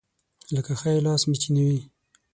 لکه ښی لاس مې چې نه وي.